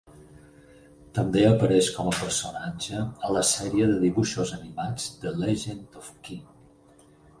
També apareix com a personatge a la sèrie de dibuixos animats "The Legend of Qin".